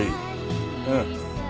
うん。